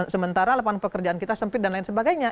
sementara lapangan pekerjaan kita sempit dan lain sebagainya